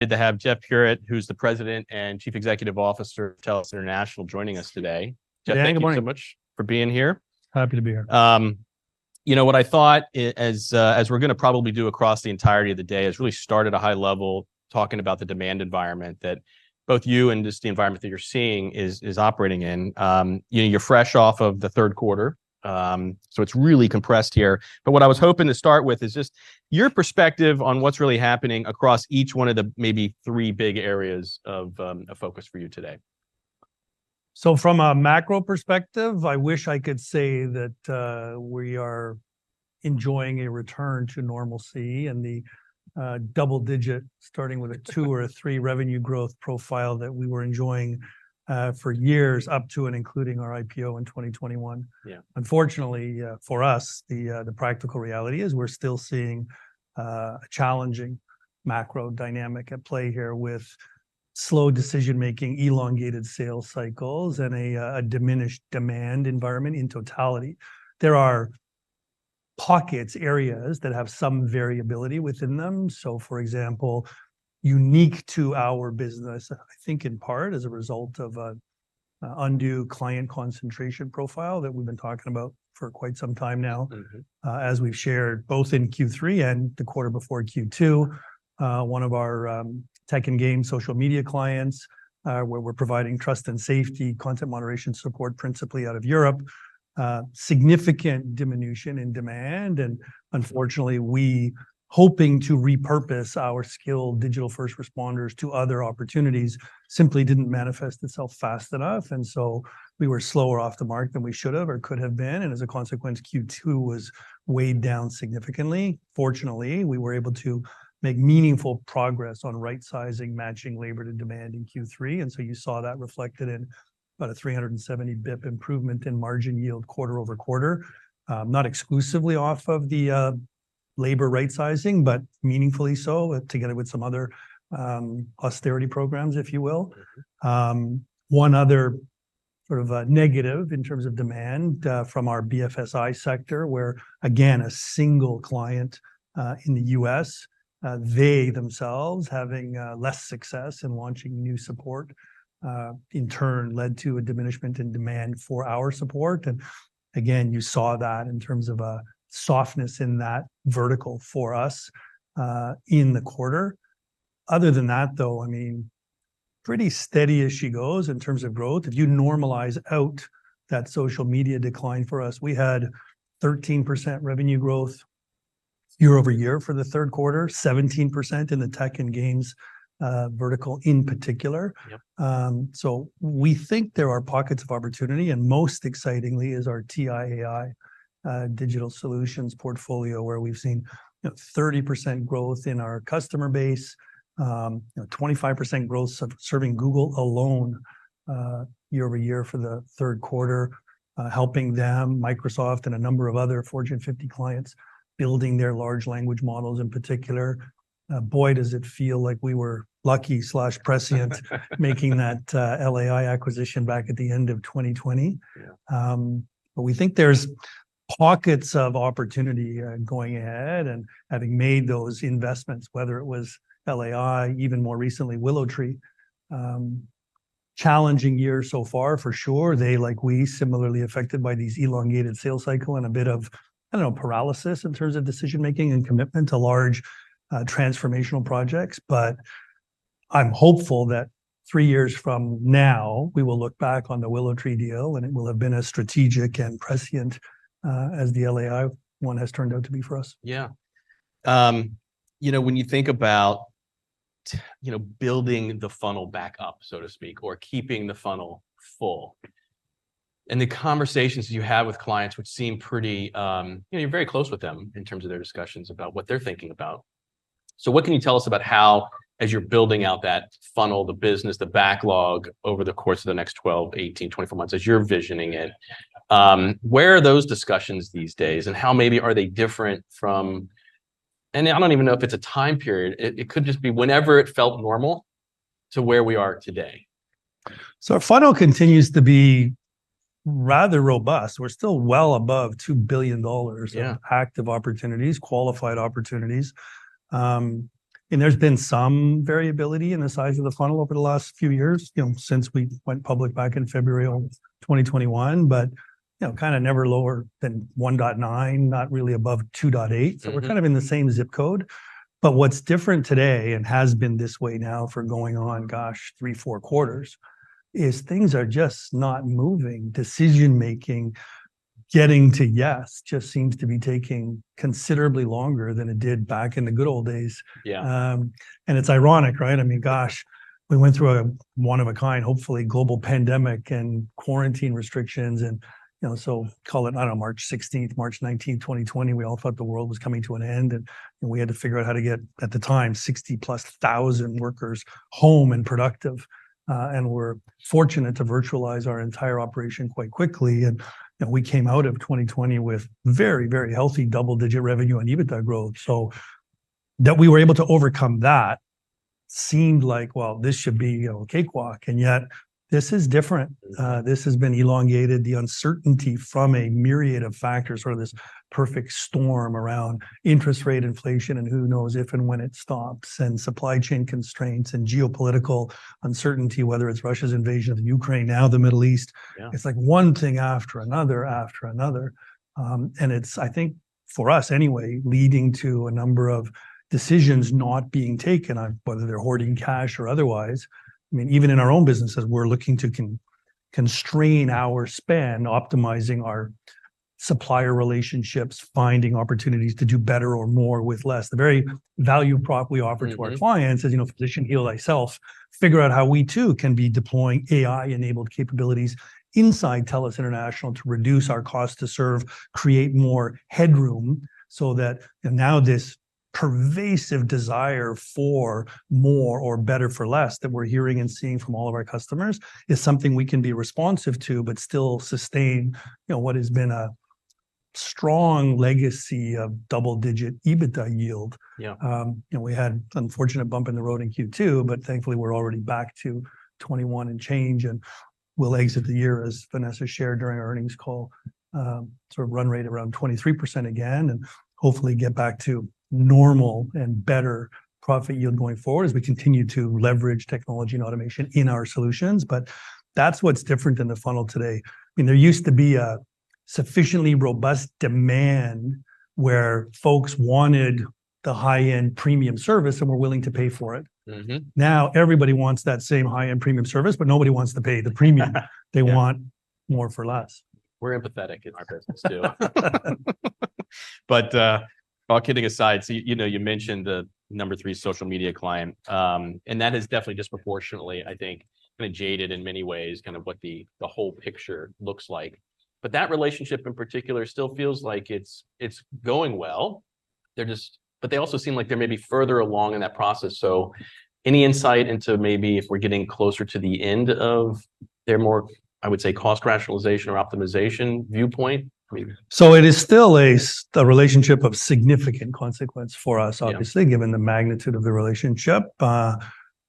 Good to have Jeff Puritt, who's the President and Chief Executive Officer of TELUS International, joining us today. Yeah, good morning. Jeff, thank you so much for being here. Happy to be here. You know, what I thought I, as, as we're gonna probably do across the entirety of the day, is really start at a high level, talking about the demand environment that both you and just the environment that you're seeing is operating in. You know, you're fresh off of the third quarter, so it's really compressed here. But what I was hoping to start with is just your perspective on what's really happening across each one of the maybe three big areas of a focus for you today. So from a macro perspective, I wish I could say that we are enjoying a return to normalcy and the double digit, starting with a two or a three revenue growth profile that we were enjoying for years, up to and including our IPO in 2021. Yeah. Unfortunately, for us, the practical reality is we're still seeing a challenging macro dynamic at play here, with slow decision-making, elongated sales cycles, and a diminished demand environment in totality. There are pockets, areas that have some variability within them. So, for example, unique to our business, I think in part as a result of a undue client concentration profile that we've been talking about for quite some time now. Mm-hmm. As we've shared, both in Q3 and the quarter before Q2, one of our tech and game social media clients, where we're providing trust and safety content moderation support, principally out of Europe, significant diminution in demand, and unfortunately, we hoping to repurpose our skilled digital first responders to other opportunities, simply didn't manifest itself fast enough. And so we were slower off the mark than we should have or could have been, and as a consequence, Q2 was weighed down significantly. Fortunately, we were able to make meaningful progress on right-sizing, matching labor to demand in Q3, and so you saw that reflected in about a 370 bp improvement in margin yield quarter-over-quarter. Not exclusively off of the labor right-sizing, but meaningfully so, together with some other austerity programs, if you will. Mm-hmm. One other sort of negative in terms of demand from our BFSI sector, where, again, a single client in the U.S., they themselves having less success in launching new support in turn led to a diminishment in demand for our support. And again, you saw that in terms of a softness in that vertical for us in the quarter. Other than that, though, I mean, pretty steady as she goes in terms of growth. If you normalize out that social media decline for us, we had 13% revenue growth year-over-year for the third quarter, 17% in the tech and games vertical in particular. Yep. So we think there are pockets of opportunity, and most excitingly is our TI AI digital solutions portfolio, where we've seen 30% growth in our customer base. You know, 25% growth serving Google alone year-over-year for the third quarter, helping them, Microsoft, and a number of other Fortune 50 clients building their large language models in particular. Boy, does it feel like we were lucky/prescient making that Lionbridge AI acquisition back at the end of 2020. Yeah. But we think there's pockets of opportunity, going ahead and having made those investments, whether it was LAI, even more recently, WillowTree. Challenging year so far for sure. They, like we, similarly affected by these elongated sales cycle and a bit of, I don't know, paralysis in terms of decision-making and commitment to large, transformational projects. But I'm hopeful that three years from now, we will look back on the WillowTree deal, and it will have been as strategic and prescient, as the LAI one has turned out to be for us. Yeah. You know, when you think about, you know, building the funnel back up, so to speak, or keeping the funnel full, and the conversations you have with clients, which seem pretty, you know, you're very close with them in terms of their discussions about what they're thinking about. So what can you tell us about how, as you're building out that funnel, the business, the backlog, over the course of the next 12, 18, 24 months, as you're visioning it, where are those discussions these days, and how maybe are they different from... And I don't even know if it's a time period. It could just be whenever it felt normal to where we are today. So our funnel continues to be rather robust. We're still well above $2 billion- Yeah.... of active opportunities, qualified opportunities. And there's been some variability in the size of the funnel over the last few years, you know, since we went public back in February of 2021. But, you know, kind of never lower than 1.9, not really above 2.8. Mm-hmm. So we're kind of in the same zip code. But what's different today, and has been this way now for going on, gosh, three, four quarters, is things are just not moving. Decision-making, getting to yes just seems to be taking considerably longer than it did back in the good old days. Yeah. And it's ironic, right? I mean, gosh, we went through a one-of-a-kind, hopefully, global pandemic and quarantine restrictions and, you know, so call it, I don't know, March 16th, March 19th, 2020, we all thought the world was coming to an end, and, and we had to figure out how to get, at the time, 60+ thousand workers home and productive. And we're fortunate to virtualize our entire operation quite quickly, and, and we came out of 2020 with very, very healthy double-digit revenue and EBITDA growth. So that we were able to overcome that seemed like, well, this should be, you know, a cakewalk, and yet this is different. This has been elongated, the uncertainty from a myriad of factors, sort of this perfect storm around interest rate inflation, and who knows if and when it stops, and supply chain constraints, and geopolitical uncertainty, whether it's Russia's invasion of Ukraine, now the Middle East. Yeah. It's like one thing after another, after another. And it's, I think, for us anyway, leading to a number of decisions not being taken on whether they're hoarding cash or otherwise. I mean, even in our own businesses, we're looking to constrain our spend, optimizing our supplier relationships, finding opportunities to do better or more with less. The very value prop we offer- Mm-hmm.... to our clients is, you know, physician, heal thyself. Figure out how we, too, can be deploying AI-enabled capabilities inside TELUS International to reduce our cost to serve, create more headroom, so that now this pervasive desire for more or better for less that we're hearing and seeing from all of our customers is something we can be responsive to but still sustain, you know, what has been a strong legacy of double-digit EBITDA yield. Yeah. You know, we had an unfortunate bump in the road in Q2, but thankfully, we're already back to 2021 and change, and we'll exit the year, as Vanessa shared during our earnings call, sort of run rate around 23% again, and hopefully get back to normal and better profit yield going forward as we continue to leverage technology and automation in our solutions. But that's what's different in the funnel today. I mean, there used to be a sufficiently robust demand where folks wanted the high-end premium service and were willing to pay for it. Mm-hmm. Now, everybody wants that same high-end premium service, but nobody wants to pay the premium. Yeah. They want more for less. We're empathetic in our business, too. But, all kidding aside, so, you know, you mentioned the number three social media client, and that is definitely disproportionately, I think, kind of jaded in many ways, kind of what the whole picture looks like. But that relationship in particular still feels like it's going well. They're just... But they also seem like they may be further along in that process. So any insight into maybe if we're getting closer to the end of their more, I would say, cost rationalization or optimization viewpoint, I mean? So it is still a relationship of significant consequence for us- Yeah.... obviously, given the magnitude of the relationship.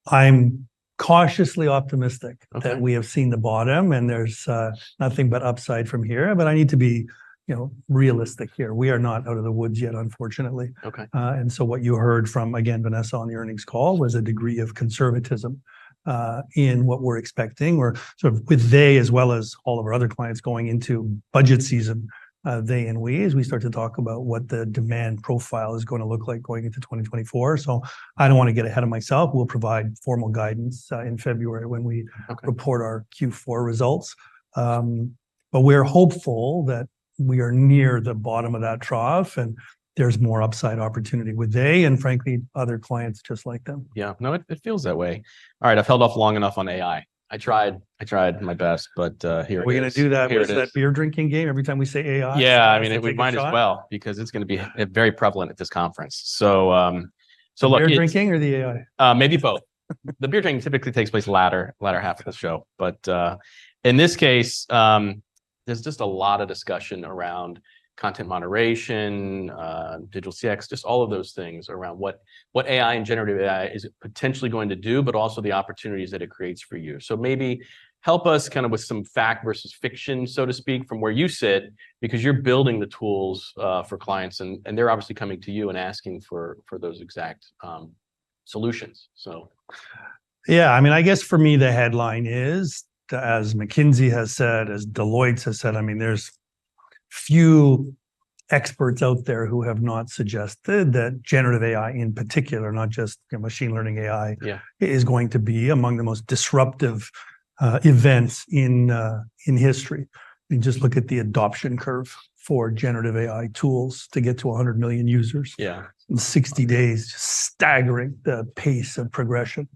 I'm cautiously optimistic- Okay.... that we have seen the bottom, and there's nothing but upside from here, but I need to be, you know, realistic here. We are not out of the woods yet, unfortunately. Okay. And so what you heard from, again, Vanessa, on the earnings call, was a degree of conservatism, in what we're expecting, or sort of with they, as well as all of our other clients, going into budget season, they and we, as we start to talk about what the demand profile is going to look like going into 2024. So I don't want to get ahead of myself. We'll provide formal guidance, in February when we- Okay.... report our Q4 results. But we're hopeful that we are near the bottom of that trough, and there's more upside opportunity with they, and frankly, other clients just like them. Yeah. No, it feels that way. All right, I've held off long enough on AI. I tried, I tried my best, but here it is. Are we gonna do that- Here it is.... that beer drinking game every time we say AI? Yeah, I mean- Take a shot?... we might as well because it's gonna be very prevalent at this conference. So, so look- The beer drinking or the AI? Maybe both. The beer drinking typically takes place latter half of the show. But in this case, there's just a lot of discussion around content moderation, digital CX, just all of those things around what AI and generative AI is potentially going to do, but also the opportunities that it creates for you. So maybe help us kind of with some fact versus fiction, so to speak, from where you sit, because you're building the tools for clients, and they're obviously coming to you and asking for those exact solutions, so. Yeah, I mean, I guess for me, the headline is, as McKinsey has said, as Deloitte has said, I mean, there's few experts out there who have not suggested that generative AI in particular, not just machine learning AI- Yeah.... is going to be among the most disruptive, events in history. I mean, just look at the adoption curve for generative AI tools to get to 100 million users- Yeah.... in 60 days. Staggering, the pace of progression.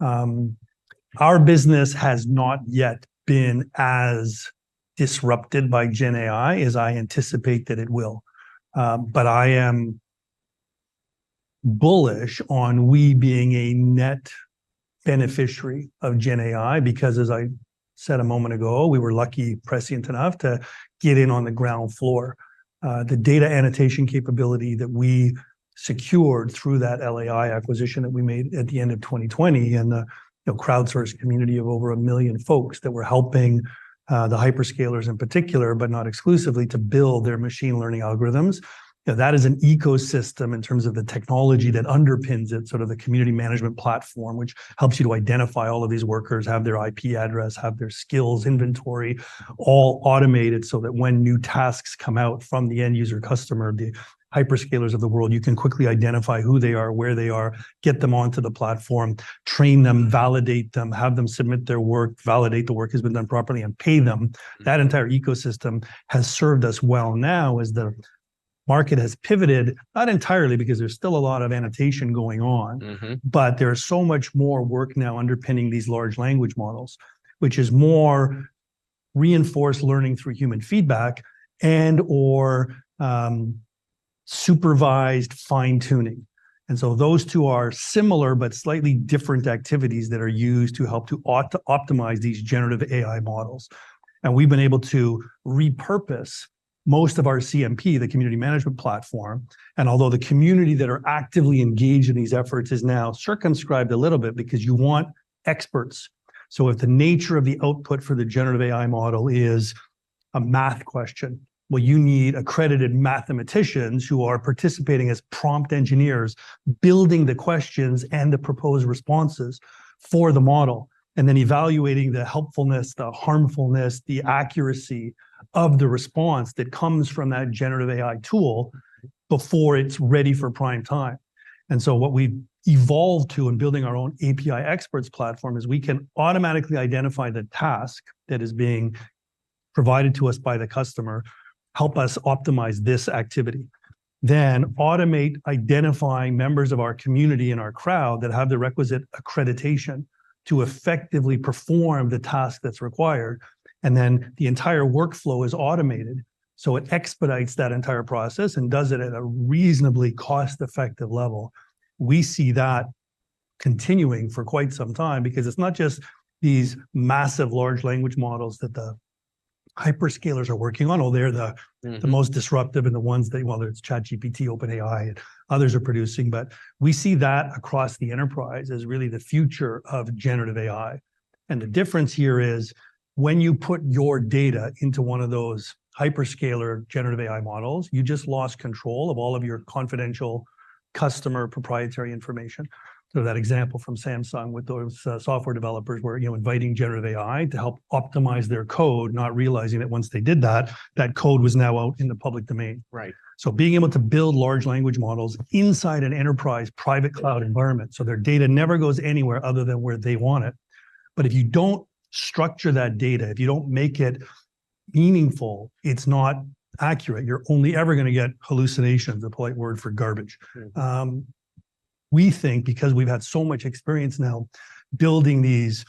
Our business has not yet been as disrupted by GenAI as I anticipate that it will. But I am bullish on we being a net beneficiary of GenAI because, as I said a moment ago, we were lucky/prescient enough to get in on the ground floor. The data annotation capability that we secured through that LAI acquisition that we made at the end of 2020, and the, you know, Crowdsource community of over 1 million folks that were helping, the hyperscalers in particular, but not exclusively, to build their machine learning algorithms. You know, that is an ecosystem in terms of the technology that underpins it, sort of the community management platform, which helps you to identify all of these workers, have their IP address, have their skills inventory, all automated, so that when new tasks come out from the end user customer, the hyperscalers of the world, you can quickly identify who they are, where they are, get them onto the platform, train them, validate them, have them submit their work, validate the work has been done properly, and pay them. Mm-hmm. That entire ecosystem has served us well now as the market has pivoted, not entirely, because there's still a lot of annotation going on. Mm-hmm. But there is so much more work now underpinning these large language models, which is more reinforcement learning from human feedback and/or supervised fine-tuning. And so those two are similar but slightly different activities that are used to help to ought to optimize these generative AI models. And we've been able to repurpose most of our CMP, the community management platform, and although the community that are actively engaged in these efforts is now circumscribed a little bit, because you want experts. So if the nature of the output for the generative AI model is a math question, well, you need accredited mathematicians who are participating as prompt engineers, building the questions and the proposed responses for the model, and then evaluating the helpfulness, the harmfulness, the accuracy of the response that comes from that generative AI tool before it's ready for prime time. What we've evolved to in building our own API experts platform is we can automatically identify the task that is being provided to us by the customer, help us optimize this activity, then automate identifying members of our community and our crowd that have the requisite accreditation to effectively perform the task that's required, and then the entire workflow is automated. It expedites that entire process and does it at a reasonably cost-effective level. We see that continuing for quite some time, because it's not just these massive large language models that the hyperscalers are working on, although they're the- Mm.... the most disruptive and the ones that, whether it's ChatGPT, OpenAI, and others are producing. But we see that across the enterprise as really the future of generative AI. And the difference here is, when you put your data into one of those hyperscaler generative AI models, you just lost control of all of your confidential customer proprietary information. So that example from Samsung with those, software developers were, you know, inviting generative AI to help optimize their code, not realizing that once they did that, that code was now out in the public domain. Right. So being able to build large language models inside an enterprise private cloud environment, so their data never goes anywhere other than where they want it. But if you don't structure that data, if you don't make it meaningful, it's not accurate. You're only ever gonna get hallucinations, a polite word for garbage. Mm. We think because we've had so much experience now building these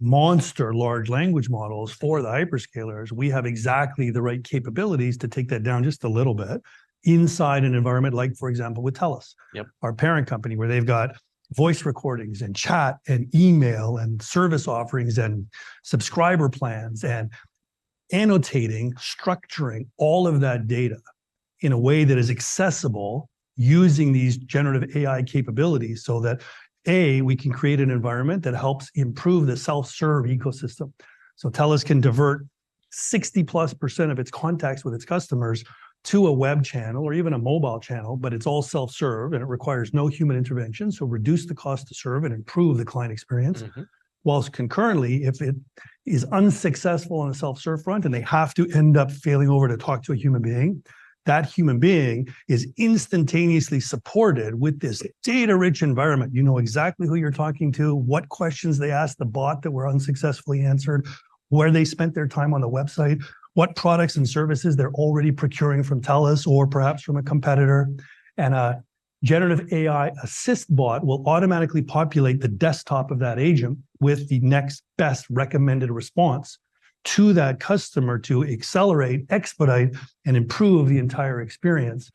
monster large language models for the hyperscalers, we have exactly the right capabilities to take that down just a little bit inside an environment, like for example, with TELUS- Yep.... our parent company, where they've got voice recordings, and chat, and email, and service offerings, and subscriber plans, and annotating, structuring all of that data in a way that is accessible using these generative AI capabilities, so that, A, we can create an environment that helps improve the self-serve ecosystem. So TELUS can divert 60%+ of its contacts with its customers to a web channel or even a mobile channel, but it's all self-serve, and it requires no human intervention, so reduce the cost to serve and improve the client experience. Mm-hmm. While concurrently, if it is unsuccessful on a self-serve front, and they have to end up failing over to talk to a human being, that human being is instantaneously supported with this data-rich environment. You know exactly who you're talking to, what questions they asked the bot that were unsuccessfully answered, where they spent their time on the website, what products and services they're already procuring from TELUS, or perhaps from a competitor. And a generative AI assist bot will automatically populate the desktop of that agent with the next best recommended response to that customer to accelerate, expedite, and improve the entire experience.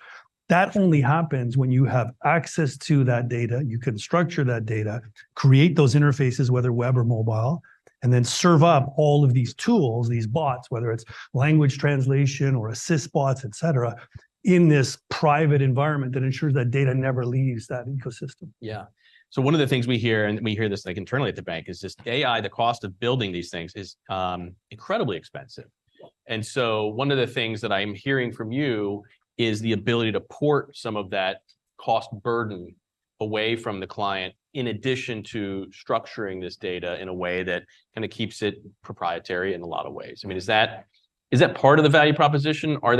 That only happens when you have access to that data. You can structure that data, create those interfaces, whether web or mobile, and then serve up all of these tools, these bots, whether it's language translation or assist bots, et cetera, in this private environment that ensures that data never leaves that ecosystem. Yeah. So one of the things we hear, and we hear this, like, internally at the bank, is just AI, the cost of building these things is, incredibly expensive. Yeah. One of the things that I'm hearing from you is the ability to port some of that cost burden away from the client, in addition to structuring this data in a way that kinda keeps it proprietary in a lot of ways. I mean, is that, is that part of the value proposition? Are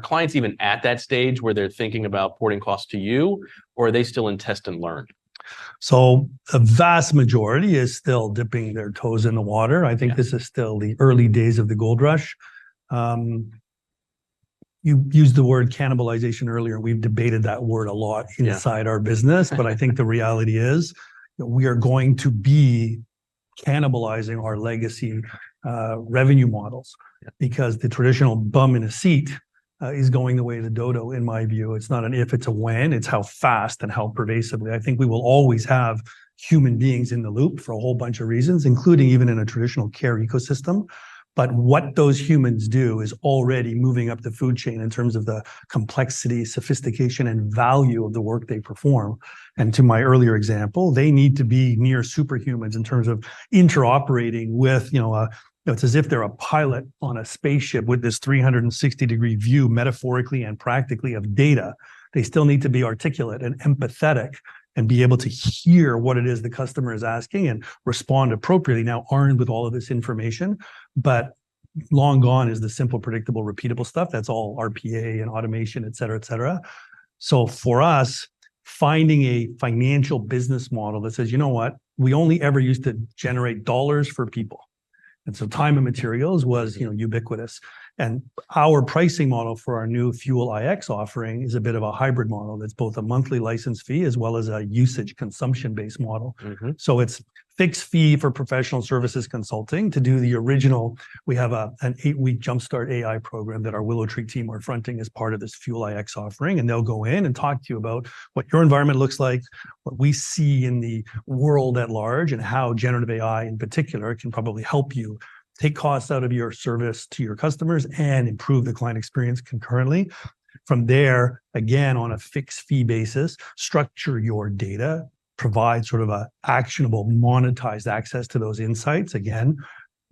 clients even at that stage where they're thinking about porting costs to you, or are they still in test and learn? The vast majority is still dipping their toes in the water. Yeah. I think this is still the early days of the gold rush. You used the word cannibalization earlier. We've debated that word a lot- Yeah.... inside our business. I think the reality is that we are going to be cannibalizing our legacy revenue models- Yeah.... because the traditional bum in a seat is going the way of the dodo, in my view. It's not an if, it's a when. It's how fast and how pervasively. I think we will always have human beings in the loop for a whole bunch of reasons, including even in a traditional care ecosystem. But what those humans do is already moving up the food chain in terms of the complexity, sophistication, and value of the work they perform. And to my earlier example, they need to be near superhumans in terms of interoperating with, you know, it's as if they're a pilot on a spaceship with this 360-degree view, metaphorically and practically, of data. They still need to be articulate and empathetic and be able to hear what it is the customer is asking and respond appropriately, now armed with all of this information. But long gone is the simple, predictable, repeatable stuff. That's all RPA and automation, et cetera, et cetera. So for us, finding a financial business model that says, "You know what? We only ever used to generate dollars for people." And so time and materials was, you know, ubiquitous, and our pricing model for our new Fuel iX offering is a bit of a hybrid model that's both a monthly license fee as well as a usage consumption-based model. Mm-hmm. So it's fixed fee for professional services consulting to do the original... We have an eight-week jumpstart AI program that our WillowTree team are fronting as part of this Fuel iX offering, and they'll go in and talk to you about what your environment looks like, what we see in the world at large, and how generative AI, in particular, can probably help you take costs out of your service to your customers and improve the client experience concurrently. From there, again, on a fixed-fee basis, structure your data, provide sort of an actionable, monetized access to those insights, again-...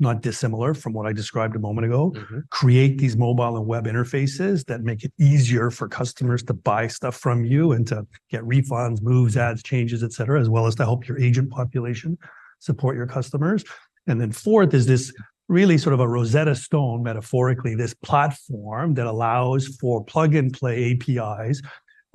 not dissimilar from what I described a moment ago. Mm-hmm. Create these mobile and web interfaces that make it easier for customers to buy stuff from you and to get refunds, moves, adds, changes, et cetera, as well as to help your agent population support your customers. And then fourth is this really sort of a Rosetta Stone, metaphorically, this platform that allows for plug-and-play APIs.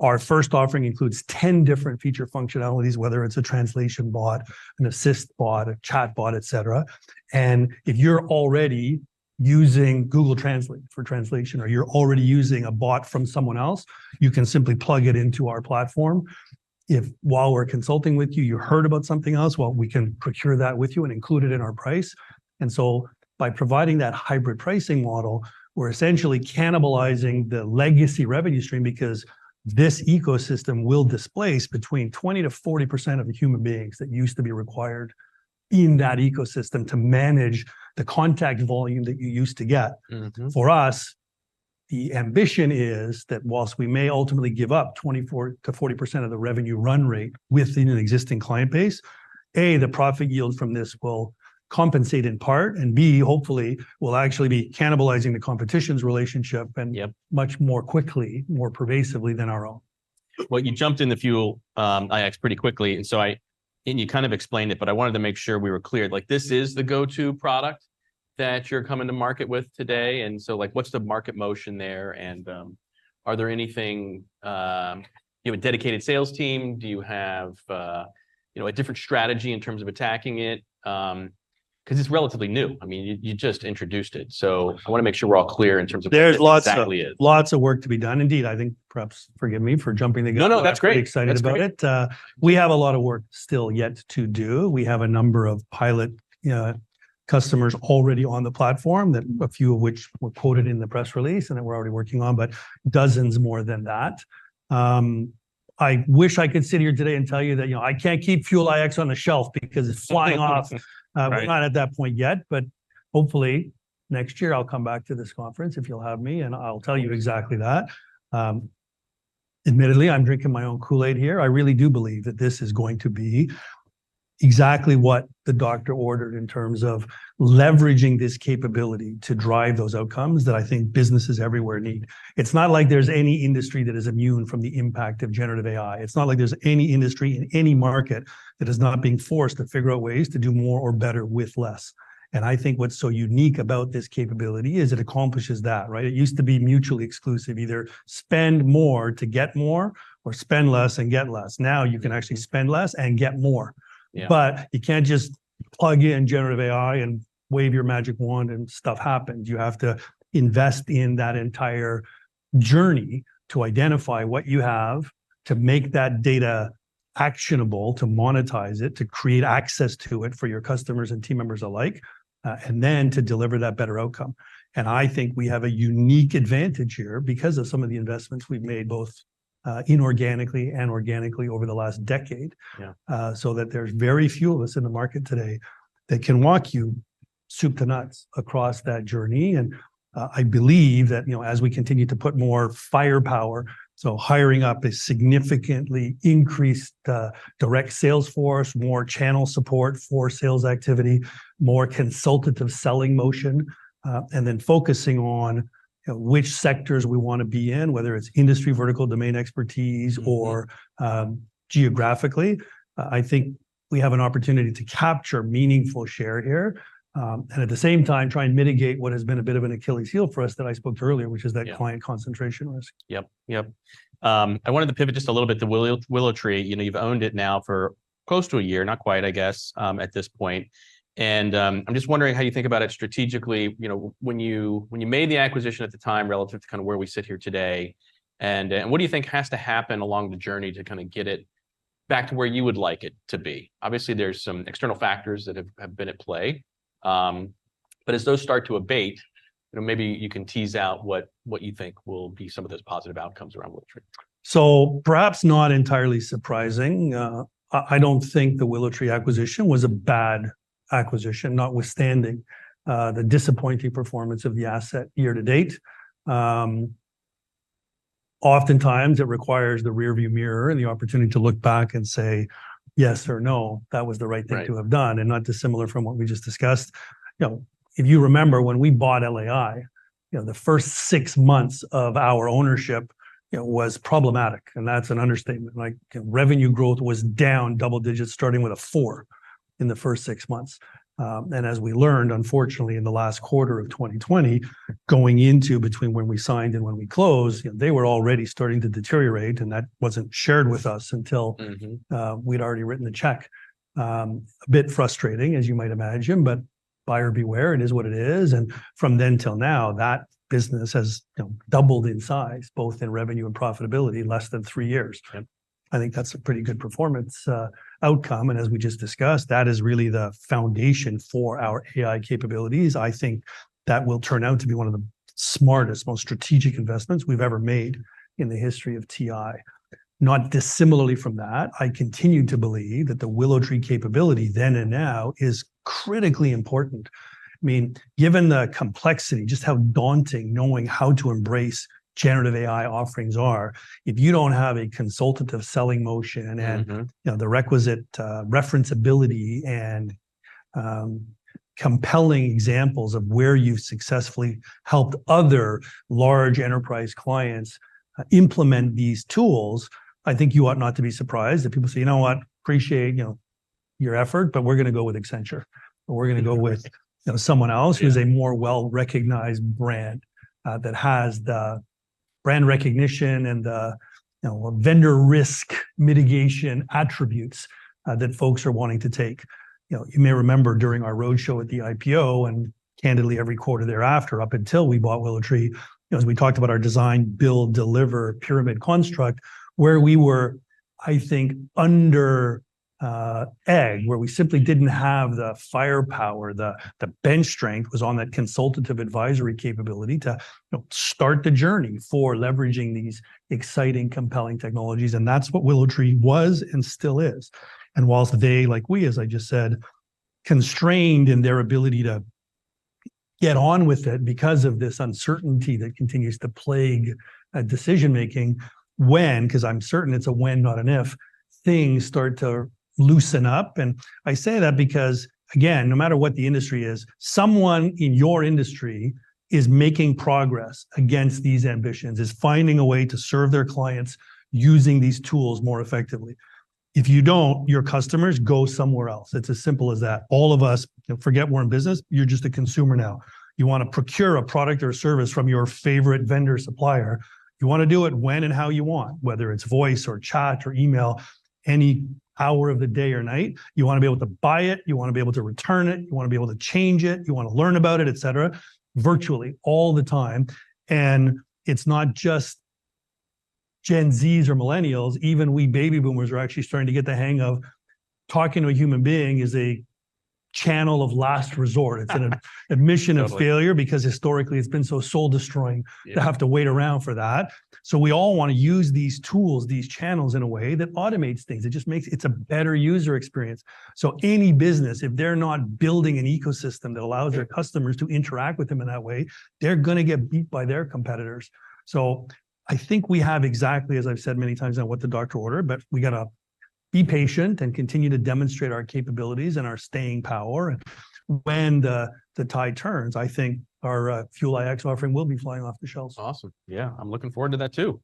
Our first offering includes 10 different feature functionalities, whether it's a translation bot, an assist bot, a chat bot, et cetera. And if you're already using Google Translate for translation, or you're already using a bot from someone else, you can simply plug it into our platform. If, while we're consulting with you, you heard about something else, well, we can procure that with you and include it in our price. By providing that hybrid pricing model, we're essentially cannibalizing the legacy revenue stream because this ecosystem will displace between 20%-40% of the human beings that used to be required in that ecosystem to manage the contact volume that you used to get. Mm-hmm. For us, the ambition is that while we may ultimately give up 24%-40% of the revenue run rate within an existing client base, A, the profit yield from this will compensate in part, and B, hopefully, we'll actually be cannibalizing the competition's relationship- Yep.... much more quickly, more pervasively than our own. Well, you jumped into Fuel iX pretty quickly, and so and you kind of explained it, but I wanted to make sure we were clear. Like, this is the go-to product that you're coming to market with today, and so, like, what's the market motion there? And, are there anything, you have a dedicated sales team? Do you have, you know, a different strategy in terms of attacking it? 'Cause it's relatively new. I mean, you, you just introduced it, so I wanna make sure we're all clear in terms of- There's lots of-... exactly is.... lots of work to be done. Indeed, I think perhaps forgive me for jumping the gun- No, no, that's great! I'm pretty excited about it. That's great. We have a lot of work still yet to do. We have a number of pilot customers already on the platform that a few of which were quoted in the press release and that we're already working on, but dozens more than that. I wish I could sit here today and tell you that, you know, I can't keep Fuel iX on the shelf because it's flying off. Right. We're not at that point yet, but hopefully, next year I'll come back to this conference, if you'll have me, and I'll tell you exactly that. Admittedly, I'm drinking my own Kool-Aid here. I really do believe that this is going to be exactly what the doctor ordered in terms of leveraging this capability to drive those outcomes that I think businesses everywhere need. It's not like there's any industry that is immune from the impact of generative AI. It's not like there's any industry in any market that is not being forced to figure out ways to do more or better with less. And I think what's so unique about this capability is it accomplishes that, right? It used to be mutually exclusive: either spend more to get more or spend less and get less. Now, you can actually spend less and get more. Yeah. But you can't just plug in generative AI and wave your magic wand and stuff happens. You have to invest in that entire journey to identify what you have, to make that data actionable, to monetize it, to create access to it for your customers and team members alike, and then to deliver that better outcome. And I think we have a unique advantage here because of some of the investments we've made, both inorganically and organically over the last decade. Yeah. So that there's very few of us in the market today that can walk you soup to nuts across that journey, and, I believe that, you know, as we continue to put more firepower... So hiring up a significantly increased direct sales force, more channel support for sales activity, more consultative selling motion, and then focusing on which sectors we wanna be in, whether it's industry vertical domain expertise- Mm-hmm.... or, geographically. I think we have an opportunity to capture meaningful share here, and at the same time, try and mitigate what has been a bit of an Achilles heel for us that I spoke to earlier, which is that- Yeah.... client concentration risk. Yep, yep. I wanted to pivot just a little bit to WillowTree. You know, you've owned it now for close to a year, not quite, I guess, at this point. I'm just wondering how you think about it strategically. You know, when you, when you made the acquisition at the time relative to kinda where we sit here today, and what do you think has to happen along the journey to kinda get it back to where you would like it to be? Obviously, there's some external factors that have been at play. But as those start to abate, you know, maybe you can tease out what you think will be some of those positive outcomes around WillowTree. So perhaps not entirely surprising, I don't think the WillowTree acquisition was a bad acquisition, notwithstanding, the disappointing performance of the asset year to date. Oftentimes, it requires the rear view mirror and the opportunity to look back and say, "Yes or no, that was the right thing- Right.... to have done," and not dissimilar from what we just discussed. You know, if you remember, when we bought LAI, you know, the first six months of our ownership, it was problematic, and that's an understatement. Like, revenue growth was down double digits, starting with a four in the first six months. And as we learned, unfortunately, in the last quarter of 2020, going into between when we signed and when we closed, they were already starting to deteriorate, and that wasn't shared with us until- Mm-hmm.... we'd already written the check. A bit frustrating, as you might imagine, but buyer beware, it is what it is. From then till now, that business has, you know, doubled in size, both in revenue and profitability, in less than three years. Right. I think that's a pretty good performance, outcome. And as we just discussed, that is really the foundation for our AI capabilities. I think that will turn out to be one of the smartest, most strategic investments we've ever made in the history of TI. Not dissimilarly from that, I continue to believe that the WillowTree capability, then and now, is critically important. I mean, given the complexity, just how daunting knowing how to embrace generative AI offerings are, if you don't have a consultative selling motion- Mm-hmm.... and, you know, the requisite reference ability and compelling examples of where you've successfully helped other large enterprise clients implement these tools, I think you ought not to be surprised if people say, "You know what? Appreciate, you know, your effort, but we're gonna go with Accenture, or we're gonna go with, you know, someone else- Yeah.... who's a more well-recognized brand, that has the brand recognition and the, you know, vendor risk mitigation attributes, that folks are wanting to take." You know, you may remember during our roadshow at the IPO, and candidly, every quarter thereafter, up until we bought WillowTree, you know, as we talked about our design, build, deliver pyramid construct, where we were, I think, under-edged, where we simply didn't have the firepower. The bench strength was on that consultative advisory capability to, you know, start the journey for leveraging these exciting, compelling technologies, and that's what WillowTree was and still is. And whilst they, like we, as I just said, constrained in their ability to get on with it because of this uncertainty that continues to plague decision-making, when, 'cause I'm certain it's a when, not an if, things start to loosen up. I say that because, again, no matter what the industry is, someone in your industry is making progress against these ambitions, is finding a way to serve their clients using these tools more effectively. If you don't, your customers go somewhere else. It's as simple as that. All of us, forget we're in business, you're just a consumer now. You wanna procure a product or service from your favorite vendor supplier. You wanna do it when and how you want, whether it's voice or chat or email, any hour of the day or night. You wanna be able to buy it, you wanna be able to return it, you wanna be able to change it, you wanna learn about it, et cetera, virtually all the time. And it's not just Gen Zs or Millennials. Even we Baby Boomers are actually starting to get the hang of talking to a human being as a channel of last resort. It's an admission of failure- Totally.... because historically it's been so soul-destroying- Yeah.... to have to wait around for that. So we all wanna use these tools, these channels, in a way that automates things. It just makes... It's a better user experience. So any business, if they're not building an ecosystem that allows their customers to interact with them in that way, they're gonna get beat by their competitors. So I think we have exactly, as I've said many times now, what the doctor ordered, but we gotta be patient and continue to demonstrate our capabilities and our staying power. And when the tide turns, I think our Fuel iX offering will be flying off the shelves. Awesome. Yeah, I'm looking forward to that, too.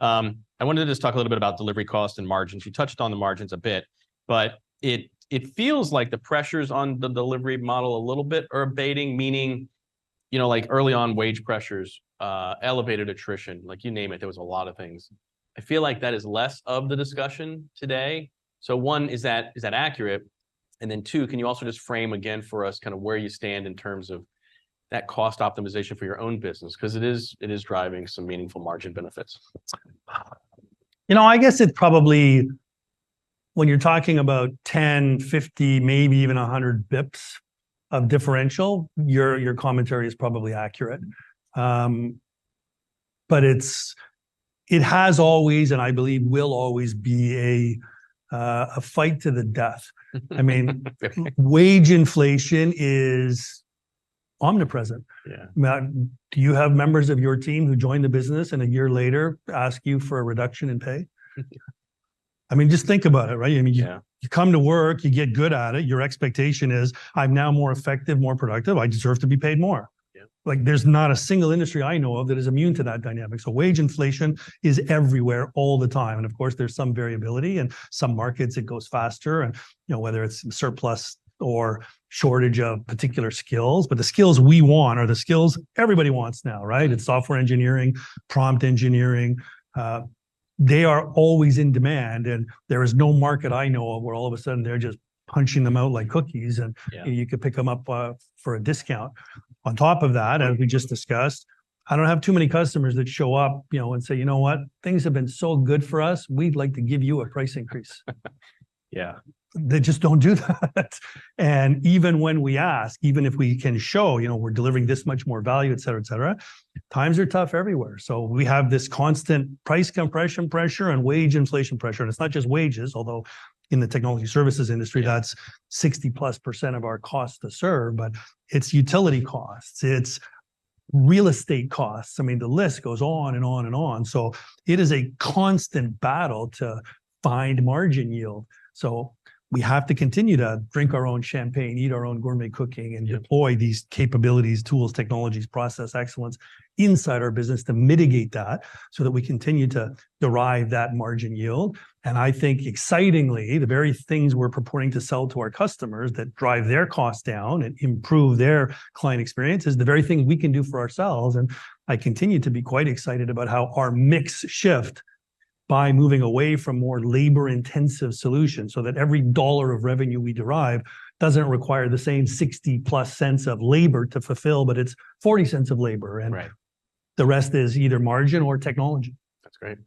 I wanted to just talk a little bit about delivery cost and margins. You touched on the margins a bit, but it, it feels like the pressures on the delivery model a little bit are abating. Meaning, you know, like, early on, wage pressures, elevated attrition, like, you name it, there was a lot of things. I feel like that is less of the discussion today. So one, is that, is that accurate? And then two, can you also just frame again for us kind of where you stand in terms of that cost optimization for your own business? 'Cause it is, it is driving some meaningful margin benefits. You know, I guess it probably when you're talking about 10, 50, maybe even 100 basis points of differential, your commentary is probably accurate. But it has always, and I believe will always be a fight to the death. I mean, wage inflation is omnipresent. Yeah. But, do you have members of your team who join the business and a year later ask you for a reduction in pay? I mean, just think about it, right? Yeah. I mean, you come to work, you get good at it. Your expectation is, "I'm now more effective, more productive. I deserve to be paid more." Yeah. Like, there's not a single industry I know of that is immune to that dynamic. So wage inflation is everywhere all the time, and of course, there's some variability, in some markets, it goes faster, and, you know, whether it's surplus or shortage of particular skills. But the skills we want are the skills everybody wants now, right? It's software engineering, prompt engineering. They are always in demand, and there is no market I know of where all of a sudden they're just punching them out like cookies- Yeah.... and you could pick them up for a discount. On top of that, as we just discussed, I don't have too many customers that show up, you know, and say, "You know what? Things have been so good for us, we'd like to give you a price increase." Yeah. They just don't do that. And even when we ask, even if we can show, you know, we're delivering this much more value, et cetera, et cetera, times are tough everywhere. So we have this constant price compression pressure and wage inflation pressure. And it's not just wages, although in the technology services industry, that's 60+% of our cost to serve, but it's utility costs, it's real estate costs. I mean, the list goes on and on and on. So it is a constant battle to find margin yield. So we have to continue to drink our own champagne, eat our own gourmet cooking- Yeah.... and deploy these capabilities, tools, technologies, process excellence inside our business to mitigate that, so that we continue to derive that margin yield. And I think, excitingly, the very things we're purporting to sell to our customers that drive their costs down and improve their client experience is the very thing we can do for ourselves. And I continue to be quite excited about how our mix shift by moving away from more labor-intensive solutions, so that every dollar of revenue we derive doesn't require the same $0.60 of labor to fulfill, but it's $0.40 of labor, and- Right.... the rest is either margin or technology. That's great.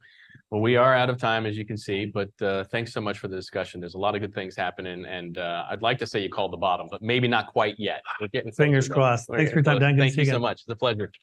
Well, we are out of time, as you can see, but thanks so much for the discussion. There's a lot of good things happening, and I'd like to say you called the bottom, but maybe not quite yet. We're getting close. Fingers crossed. Okay. Thanks for your time, again. See you again. Thank you so much. It's a pleasure.